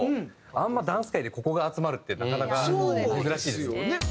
あんまダンス界でここが集まるってなかなか珍しいですよ。